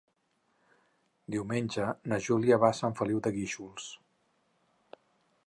Diumenge na Júlia va a Sant Feliu de Guíxols.